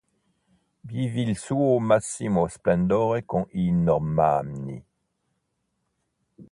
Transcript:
Vive il suo massimo splendore con i normanni.